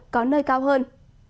có nơi cao hơn